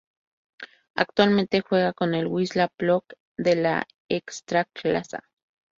Actualmente juega en el Wisła Płock de la Ekstraklasa.